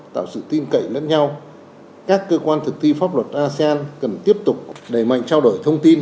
tạo sự tin cậy lẫn nhau các cơ quan thực thi pháp luật asean cần tiếp tục đẩy mạnh trao đổi thông tin